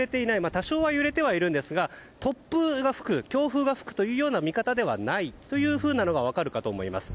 多少は揺れてはいますが突風が吹く、強風が吹くような見方ではないというのが分かるかと思います。